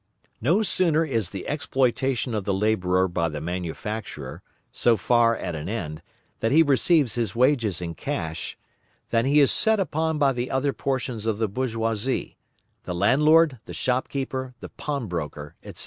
No sooner is the exploitation of the labourer by the manufacturer, so far at an end, that he receives his wages in cash, than he is set upon by the other portions of the bourgeoisie, the landlord, the shopkeeper, the pawnbroker, etc.